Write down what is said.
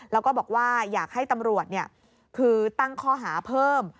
แล้วก็บอกว่าอยากให้ตำรวจคือตั้งข้อหาเพิ่ม